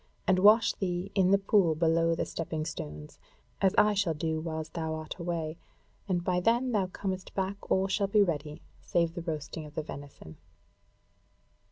And wash thee in the pool below the stepping stones, as I shall do whiles thou art away, and by then thou comest back, all shall be ready, save the roasting of the venison."